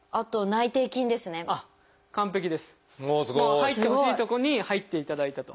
入ってほしいとこに入っていただいたと。